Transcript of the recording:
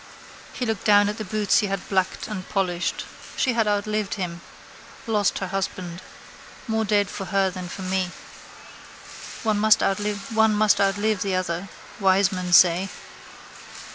He looked down at the boots he had blacked and polished. She had outlived him. Lost her husband. More dead for her than for me. One must outlive the other. Wise men say.